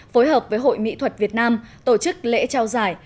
phối hợp với hội mỹ thuật việt nam tổ chức lễ trao giải